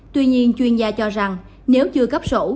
tuy nhiên chuyên gia cho rằng nếu chưa cấp sổ